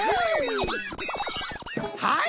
はい！